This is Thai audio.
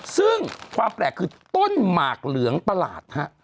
ซึ่งความแปลกคือต้นหมากเหลืองประหลาดฮะ